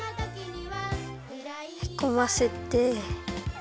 へこませて。